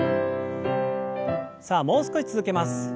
さあもう少し続けます。